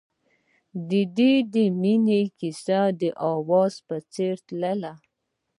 د دوی د مینې کیسه د اواز په څېر تلله.